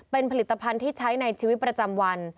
เป็นผลิตภัณฑ์ที่ใช้ในชีวิตประจำวัน